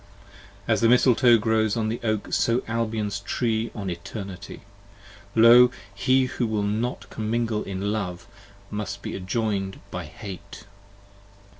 55 As the Misletoe grows on the Oak, so Albion's Tree on Eternity: Lo! He who will not comingle in Love, must be adjoin'd by Hate.